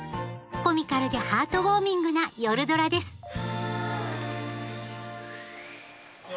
コミカルでハートウォーミングな「夜ドラ」ですよ